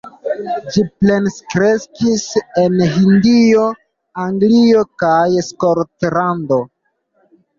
Ŝi plenkreskis en Hindio, Anglio kaj Skotlando.